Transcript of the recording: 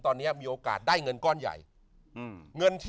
ตอนนี้มีโอกาสได้เงินก้อนใหญ่อืมเงินที่